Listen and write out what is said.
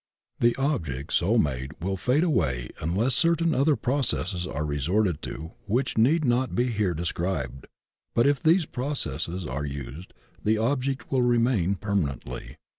The object so made will fade away unless certain other processes are resorted to which need not be here described, but if these processes are used the object will remain permanently.